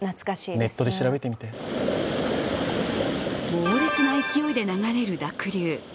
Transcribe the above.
猛烈な勢いで流れる濁流。